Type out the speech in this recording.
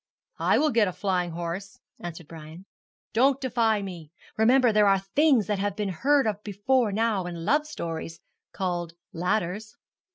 'I will get a flying horse,' answered Brian. 'Don't defy me. Remember there are things that have been heard of before now in love stories, called ladders.'